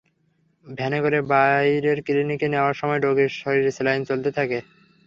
ভ্যানে করে বাইরের ক্লিনিকে নেওয়ার সময় রোগীর শরীরে স্যালাইন চলতে থাকে।